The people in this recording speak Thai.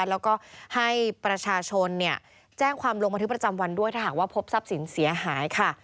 แล้วก็ให้ประชาชนแจ้งความลงบันทึกประจำวันด้วยถ้าหากว่าพบทรัพย์สินเสียหายค่ะ